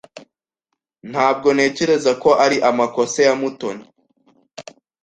Ntabwo ntekereza ko ari amakosa ya Mutoni.